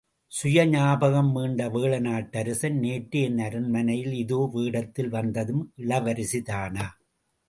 சுய ஞாபகம் மீண்ட வேழநாட்டு அரசன், நேற்று என் அரண்மனையில் இதே வேடத்தில் வந்ததும் இளவரசிதானா?...